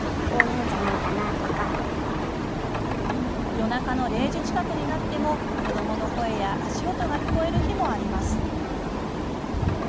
夜中の０時近くになっても子どもの声や足音が聞こえる日もあります。